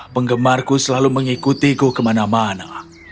penggemarku selalu mengikutiku kemana mana